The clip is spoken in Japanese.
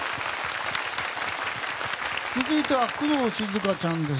続いては工藤静香ちゃんです。